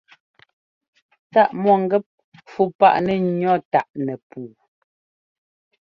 Táʼ mɔ̂ngɛ́p fû páʼ nɛ́ ŋʉ̈ táʼ nɛpuu.